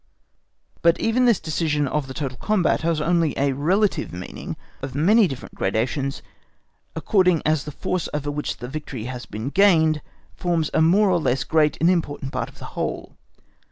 But even this decision of the total combat has only a relative meaning of many different gradations, according as the force over which the victory has been gained forms a more or less great and important part of the whole.